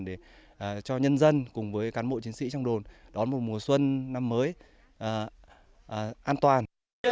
để cho nhân dân cùng với cán bộ chiến sĩ trong đồn đón một mùa xuân năm mới an toàn